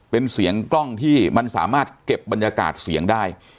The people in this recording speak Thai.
เป็นเสียงกล้องที่มันสามารถเก็บบรรยากาศเสียงได้